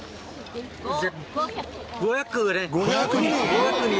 ５００人！？